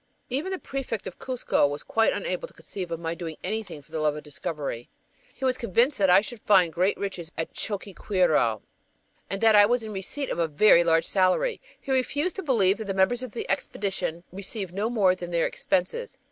Even the prefect of Cuzco was quite unable to conceive of my doing anything for the love of discovery. He was convinced that I should find great riches at Choqquequirau and that I was in receipt of a very large salary! He refused to believe that the members of the Expedition received no more than their expenses.